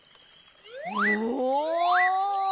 お！